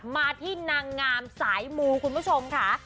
มาที่นางงามสายมูคุณผู้ชมค่ะ